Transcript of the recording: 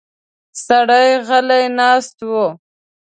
سړی غلی ناست و.